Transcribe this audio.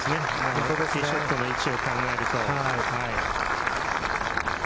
あのティーショットの位置を考えると。